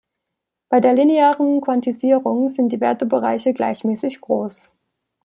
Bei der linearen Quantisierung sind die Wertebereiche gleichmäßig groß.